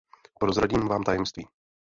Prozradím vám tajemství.